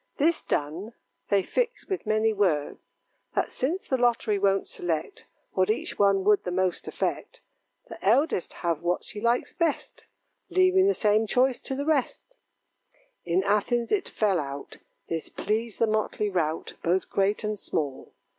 This done, they fix, with many words, That since the lottery won't select What each one would the most affect, The eldest have what she likes best, Leaving the same choice to the rest. In Athens it fell out, This pleased the motley rout, Both great and small.